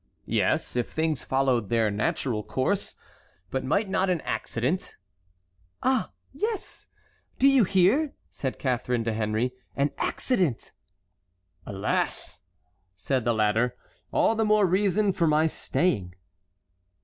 "Yes, if things followed their natural course. But might not an accident"— "Ah, yes, do you hear?" said Catharine to Henry, "an accident"— "Alas!" said the latter, "all the more reason for my staying."